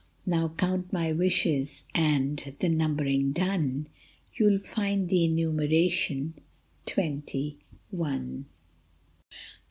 Now count my wishes, and, the numbering done, You 11 find the enumeration twenty one.